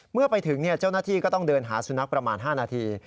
เมื่อไปถึงเจ้าหน้าที่ก็ต้องเดินหาสุนัขประมาณ๕นาที